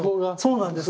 そうなんです。